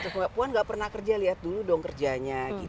terus puan enggak pernah kerja lihat dulu dong kerjanya